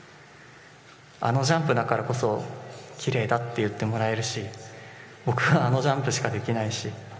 あのジャンプだからこそきれいだと言ってもらえるし僕はあのジャンプしかできないし。